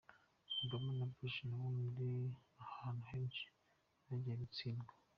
Obama na Bush nabo hari ahantu henshi bagiye batsindwa.